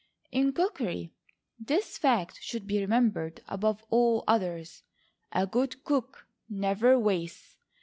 In cookery this fact should be remembered above all others; A GOOD COOK NEVER WASTES.